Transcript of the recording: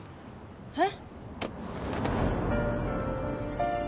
えっ？